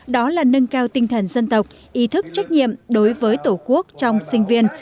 đó là nâng cao tinh thần dân tộc ý thức trách nhiệm đối với tổ quốc trong sinh viên